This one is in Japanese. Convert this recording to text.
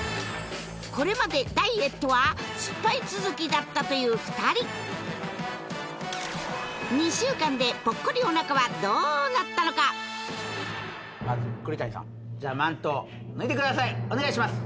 これまでダイエットは失敗続きだったという２人２週間でポッコリお腹はどうなったのかまず栗谷さんじゃあマントを脱いでくださいお願いします